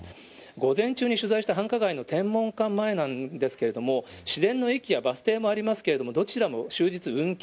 午前中に取材した繁華街の天文館前なんですけれども、市電の駅やバス停もありますけれども、どちらも終日運休。